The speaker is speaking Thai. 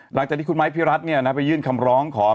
หลังจากนี้คุณไมค์พี่รัฐเนี่ยไปยื่นคำร้องขอม